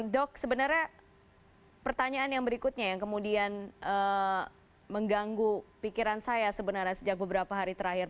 dok sebenarnya pertanyaan yang berikutnya yang kemudian mengganggu pikiran saya sebenarnya sejak beberapa hari terakhir